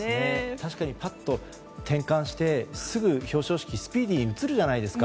確かにパッと転換してすぐ表彰式に、スピーディーに移るじゃないですか。